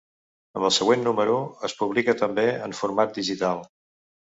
Amb el següent número, es publica també en format digital.